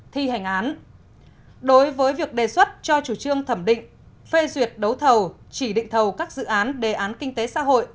thi hành án đối với việc đề xuất cho chủ trương thẩm định phê duyệt đấu thầu chỉ định thầu các dự án đề án kinh tế xã hội